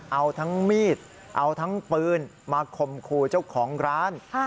เอาทั้งมีดเอาทั้งปืนมาข่มขู่เจ้าของร้าน